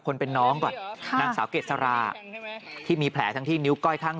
คนเป็นน้องก่อนนางสาวเกษราที่มีแผลทั้งที่นิ้วก้อยข้าง